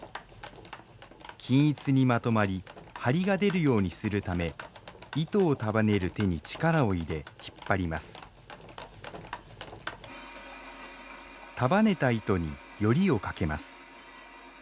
均一にまとまり張りが出るようにするため糸を束ねる手に力を入れ引っ張ります束ねた糸によりをかけます。